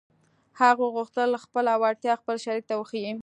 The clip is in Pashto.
هغه غوښتل خپله وړتيا خپل شريک ته وښيي.